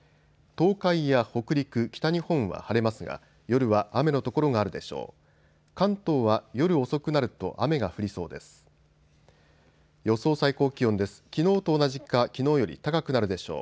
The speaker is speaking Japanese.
東海や北陸、北日本は晴れますが夜は雨の所があるでしょう。